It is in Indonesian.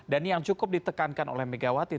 dan yang cukup ditekankan oleh megawati